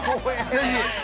◆ぜひ。